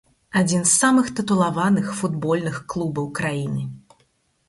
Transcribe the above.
Адзін з самых тытулаваных футбольных клубаў краіны.